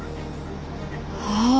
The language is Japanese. ああ！